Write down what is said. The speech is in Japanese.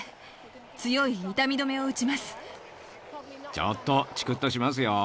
ちょっとちくっとしますよ。